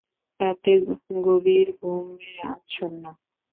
রাতে গভীর ঘুমে আচ্ছন্ন।